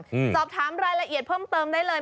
สอบถามรายละเอียดเพิ่มเติมได้เลย